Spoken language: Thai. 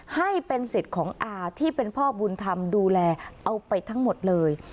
ให้เป็นสิทธิ์ของอาที่เป็นพ่อบุญธรรมดูแลเอาไปทั้งหมดเลย